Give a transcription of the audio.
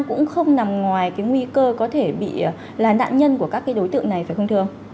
cũng không nằm ngoài cái nguy cơ có thể bị là nạn nhân của các đối tượng này phải không thưa ông